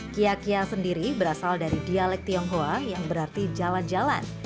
kiyakia sendiri berasal dari dialek tionghoa yang berarti jalan jalan